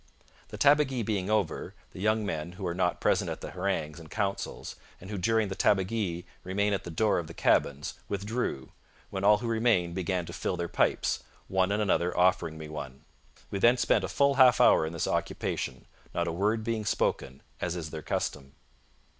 The tabagie being over, the young men, who are not present at the harangues and councils, and who during the tabagie remain at the door of the cabins, withdrew, when all who remained began to fill their pipes, one and another offering me one. We then spent a full half hour in this occupation, not a word being spoken, as is their custom.